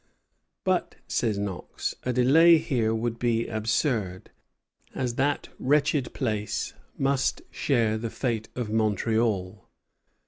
"But," says Knox, "a delay here would be absurd, as that wretched place must share the fate of Montreal.